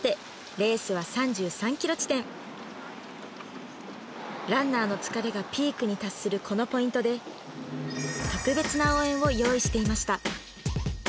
レースは３３ｋｍ地点ランナーの疲れがピークに達するこのポイントでを用意していました